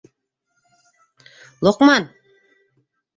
Лоҡман!